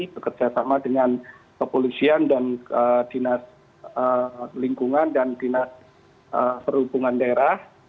bekerja sama dengan kepolisian dan dinas lingkungan dan dinas perhubungan daerah